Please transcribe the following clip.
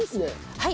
はい。